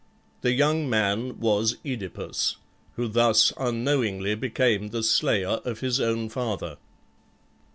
The young man was OEdipus, who thus unknowingly became the slayer of his own father.